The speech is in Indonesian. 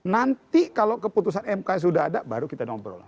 nanti kalau keputusan mk sudah ada baru kita ngobrol